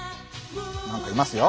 何かいますよ。